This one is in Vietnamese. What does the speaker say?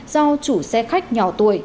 do chủ xe khách nhỏ tuổi